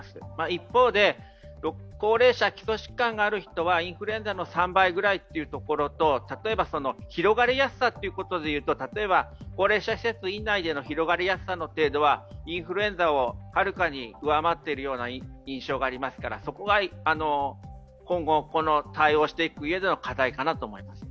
一方で高齢者、基礎疾患がある人はインフルエンザの３倍くらいということと、例えば広がりやすさということでいうと、例えば高齢者施設院内の広がりやすさでいうとインフルエンザをはるかに上回っているような印象がありますから、そこは今後、対応していくうえでの課題かなと思います。